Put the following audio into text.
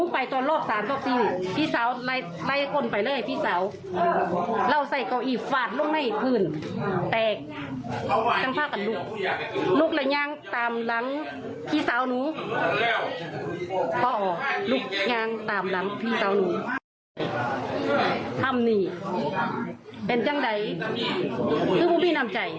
เป็นทางใดหรือพวกไม่ได้ล้ำใจ